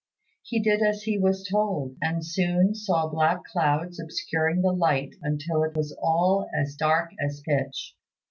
He did as he was told, and soon saw black clouds obscuring the light until it was all as dark as pitch.